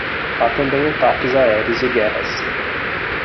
Há também ataques aéreos e guerras